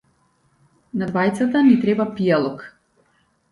На двајцата ни треба пијалок.